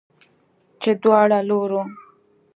چې دواړو لورو